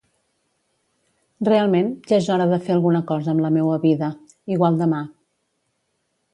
Realment ja és hora de fer alguna cosa amb la meua vida, igual demà.